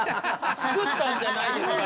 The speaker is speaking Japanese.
作ったんじゃないですか？